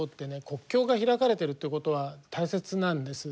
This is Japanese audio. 国境が開かれてるってことは大切なんです。